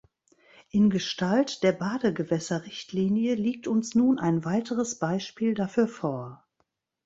In Gestalt der Badegewässerrichtlinie liegt uns nun ein weiteres Beispiel dafür vor.